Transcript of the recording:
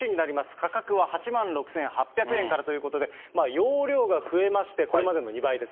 価格は８万６８００円からということで、容量が増えまして、これまでの２倍です。